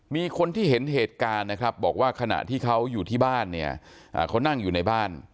มีคนที่เห็นเหตุการณ์นะครับบอกว่าขณะที่เขาอยู่ที่บ้านเนี่ยเขานั่งอยู่ในบ้าน